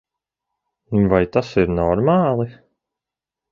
Vai tas ir normāli?